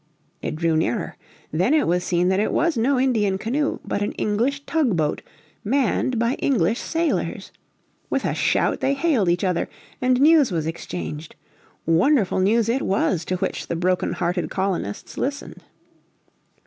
It drew nearer. Then it was seen that it was no Indian canoe, but an English tug boat manned by English sailors. With a shout they hailed each other, and news was exchanged. Wonderful news it was to which the brokenhearted colonists listened.